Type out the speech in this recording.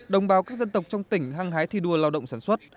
đồng bào các dân tộc trong tỉnh hăng hái thi đua lao động sản xuất